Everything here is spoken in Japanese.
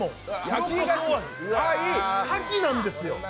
かきなんですよ。